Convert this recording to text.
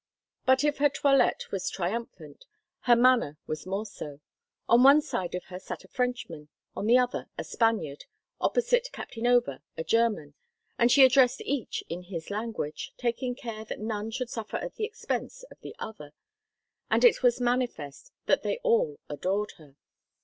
But if her toilette was triumphant, her manner was more so. On one side of her sat a Frenchman, on the other a Spaniard, opposite Captain Over a German, and she addressed each in his language, taking care that none should suffer at the expense of the other; and it was manifest that they all adored her.